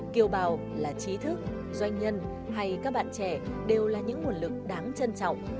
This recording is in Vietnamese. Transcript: kiểu bào là trí thức doanh nhân hay các bạn trẻ đều là những nguồn lực đáng trân trọng